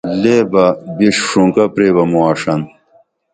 لے بہ بی ݜونکہ پریبہ موں آݜن